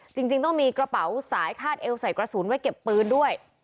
จริงต้องมีกระเป๋าสายคาดเอวใส่กระสุนไว้เก็บปืนด้วย